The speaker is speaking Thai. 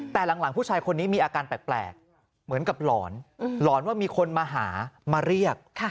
แต่หลังผู้ชายคนนี้มีอาการแปลกเหมือนกับหลอนหลอนว่ามีคนมาหามาเรียก